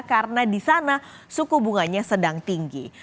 karena di sana suku bunganya sedang tinggi